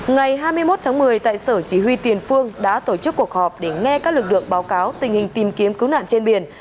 ngày hai mươi một tháng một mươi tại sở chỉ huy tiền phương đã tổ chức cuộc họp để nghe các lực lượng báo cáo tình hình tìm kiếm cứu nạn trên biển